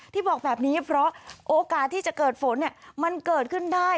บอกแบบนี้เพราะโอกาสที่จะเกิดฝนมันเกิดขึ้นได้